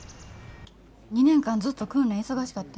２年間ずっと訓練忙しかったんやろ？